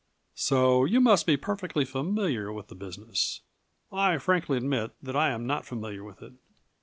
"So you must be perfectly familiar with the business. I frankly admit that I am not familiar with it.